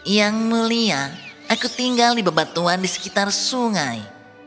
yang mulia aku tinggal di bebatuan di sekitar sungai